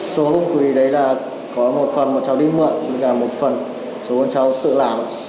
số không khí đấy là có một phần bọn cháu đi mượn và một phần số bọn cháu tự làm